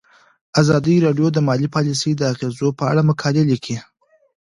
ازادي راډیو د مالي پالیسي د اغیزو په اړه مقالو لیکلي.